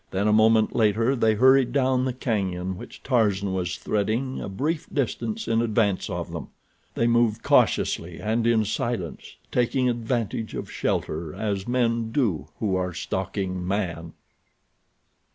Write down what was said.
Then, a moment later, they hurried down the cañon which Tarzan was threading a brief distance in advance of them. They moved cautiously and in silence, taking advantage of shelter, as men do who are stalking man.